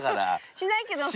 しないけどする。